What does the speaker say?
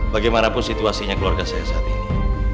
bagaimanapun situasinya keluarga saya saat ini